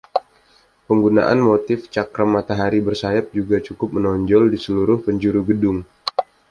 Penggunaan motif cakram matahari bersayap juga cukup menonjol di seluruh penjuru gedung.